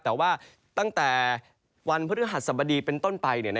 แต่ว่าตั้งแต่วันพฤหัสสบดีเป็นต้นไป